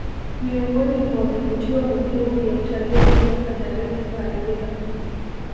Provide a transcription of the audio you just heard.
Miongoni mwa vivutio muhimu vya utalii vimo hatarini kuharibika